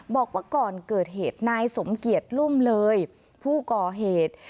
บอกว่าก่อนเกิดเหตุนายสมเกียจรุ่มเลยผู้ก่อเหตุ